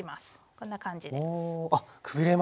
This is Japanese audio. こんな感じで。